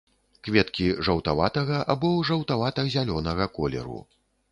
Кветкі жаўтаватага або жаўтавата-зялёнага колеру.